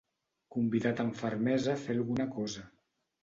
Convidat amb fermesa a fer alguna cosa.